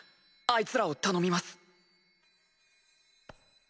あいつらを頼みます。